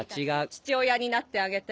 父親になってあげて。